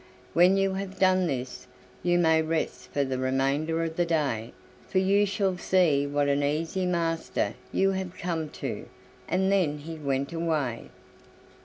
"When you have done this, you may rest for the remainder of the day, for you shall see what an easy master you have come to," and then he went away.